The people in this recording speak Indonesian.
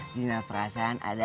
zina perasaan adalah